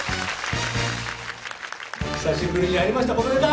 久しぶりにやりましたこのネタ。